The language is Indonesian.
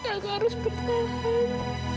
aku harus bertahan